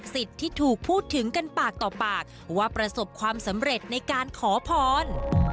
ที่ถูกพูดถึงกันปากต่อปากว่าประสบความสำเร็จในการขอพร